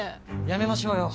やめましょうよ。